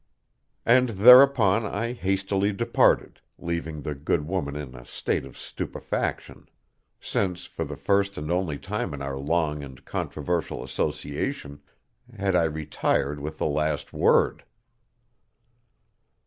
And thereupon I hastily departed, leaving the good woman in a state of stupefaction, since, for the first and only time in our long and controversial association, had I retired with the last word.